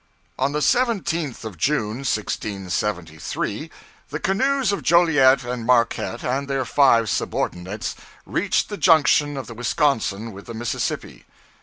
On the 17th of June, 1673, the canoes of Joliet and Marquette and their five subordinates reached the junction of the Wisconsin with the Mississippi.